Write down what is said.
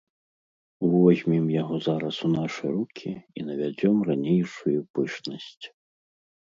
Возьмем яго зараз у нашы рукі і навядзём ранейшую пышнасць.